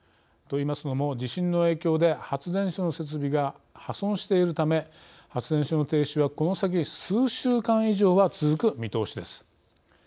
といいますのも地震の影響で発電所の設備が破損しているため発電所の停止はこの先数週間以上は続く見通しです。